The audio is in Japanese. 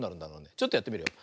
ちょっとやってみるよ。